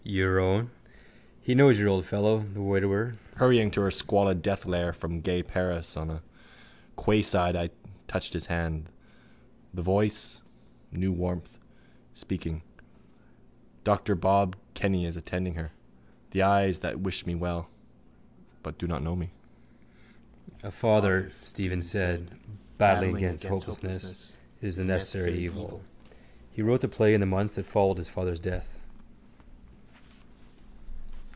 Your own? He knows your old fellow. The widower. Hurrying to her squalid deathlair from gay Paris on the quayside I touched his hand. The voice, new warmth, speaking. Dr Bob Kenny is attending her. The eyes that wish me well. But do not know me. —A father, Stephen said, battling against hopelessness, is a necessary evil. He wrote the play in the months that followed his father's death.